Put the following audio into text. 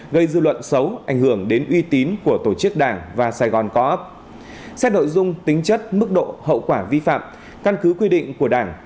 gây dư luận xấu ảnh hưởng đến uy tín của tổ chức đảng và sài gòn co op xét nội dung tính chất mức độ hậu quả vi phạm căn cứ quy định của đảng